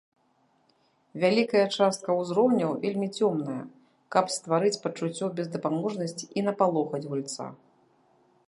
Вялікая частка ўзроўняў вельмі цёмная, каб стварыць пачуццё бездапаможнасці і напалохаць гульца.